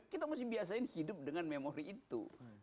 kita mesti biasain hidup dengan memori itu